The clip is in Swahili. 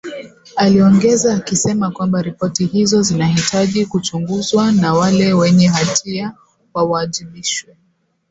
Aliongeza akisema kwamba ripoti hizo zinahitaji kuchunguzwa na wale wenye hatia wawajibishwe.